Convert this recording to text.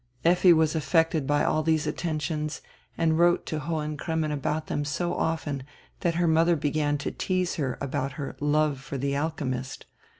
Effi was affected by all these attentions and wrote to Hohen Cremmen about them so often that her mother began to tease her about her "love for the alchymist."